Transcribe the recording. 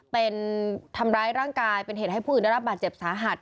เป็นทำร้ายร่างกายเป็นเหตุให้ผู้อื่นได้รับบาดเจ็บสาหัส